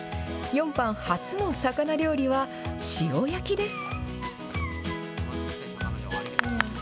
４班初の魚料理は、塩焼きです。